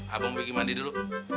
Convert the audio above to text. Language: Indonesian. abah mau mandi dulu